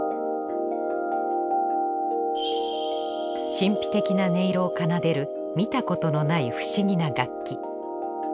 神秘的な音色を奏でる見たことのない不思議な楽器。